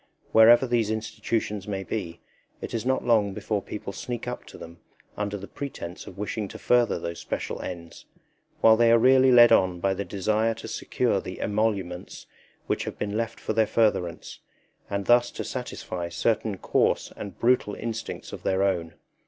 Wherever these institutions may be, it is not long before people sneak up to them under the pretence of wishing to further those special ends, while they are really led on by the desire to secure the emoluments which have been left for their furtherance, and thus to satisfy certain coarse and brutal instincts of their own.